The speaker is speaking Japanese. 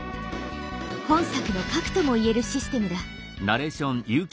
本作の核とも言えるシステムだ。